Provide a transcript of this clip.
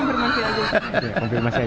oke terima kasih